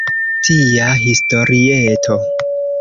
Tia historieto.